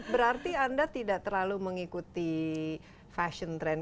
berarti anda tidak terlalu mengikuti fashion trend